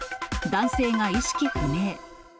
男性が意識不明。